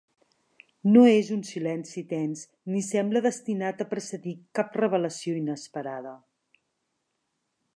No és un silenci tens ni sembla destinat a precedir cap revelació inesperada.